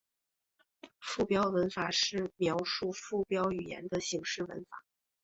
附标文法是描述附标语言的形式文法。